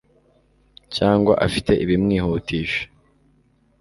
cyangwa afite ibimwihutisha